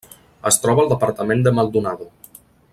Es troba al departament de Maldonado.